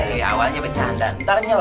iya awalnya bercanda ntar nyelak